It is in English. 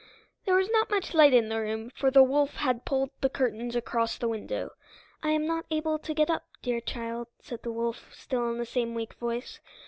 There was not much light in the room, for the wolf had pulled the curtains across the window. "I am not able to get up, dear child," said the wolf, still in the same weak voice.